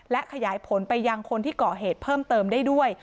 และขยายผลไปยังคนที่เกาะเหตุเพิ่มเติมได้ด้วย